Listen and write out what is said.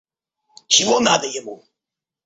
Чего надо ему?